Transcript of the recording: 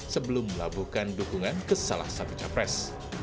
sebelum melabuhkan dukungan ke salah satu capres